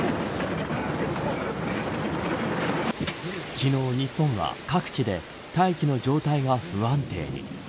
昨日、日本は各地で大気の状態が不安定に。